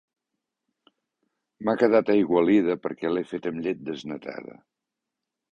M'ha quedat aigualida perquè l'he fet amb llet desnatada